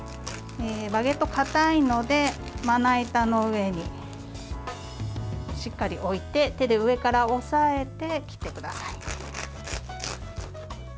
バゲット、かたいのでまな板の上にしっかり置いて手で上から押さえて切ってください。